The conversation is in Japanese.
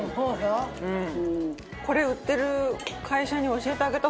うん。